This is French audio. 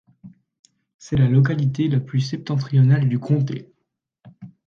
C’est la localité la plus septentrionale du comté.